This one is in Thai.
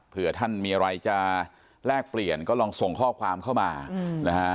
เพื่อท่านมีอะไรจะแลกเปลี่ยนก็ลองส่งข้อความเข้ามานะฮะ